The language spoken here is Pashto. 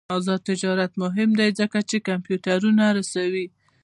آزاد تجارت مهم دی ځکه چې کمپیوټرونه رسوي.